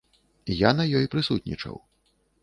Я на ёй прысутнічаў.